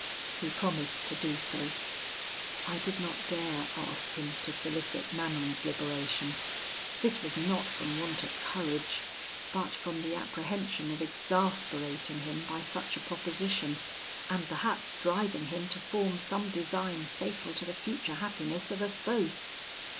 "He promised to do so. "I did not dare ask him to solicit Manon's liberation; this was not from want of courage, but from the apprehension of exasperating him by such a proposition, and perhaps driving him to form some design fatal to the future happiness of us both.